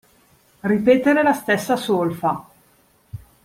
Ripetere la stessa solfa.